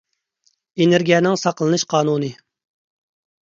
ئېنېرگىيەنىڭ ساقلىنىش قانۇنى